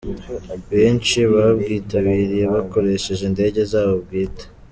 Benshi babwitabiriye bakoresheje indege zabo bwite.